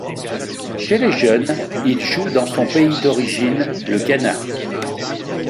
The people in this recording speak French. Chez les jeunes, il joue dans son pays d'origine, le Ghana.